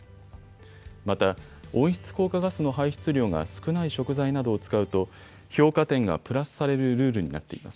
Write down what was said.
また温室効果ガスの排出量が少ない食材などを使うと評価点がプラスされるルールになっています。